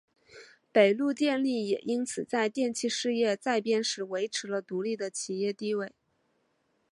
北陆电力也因此在电气事业再编时维持了独立的企业地位。